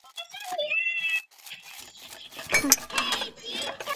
曲嘎寺是位于西藏自治区日喀则市定日县绒辖乡的一座藏传佛教寺院。